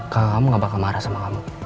kamu gak bakal marah sama kamu